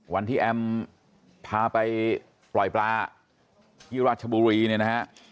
วันที่แอมพาไปปล่อยปลาที่ราชบุรีนะครับ